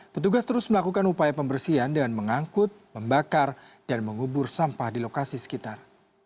petugas terus melakukan upaya pembersihan dengan mengangkut membakar dan mengubur sampah di lokasi sekitar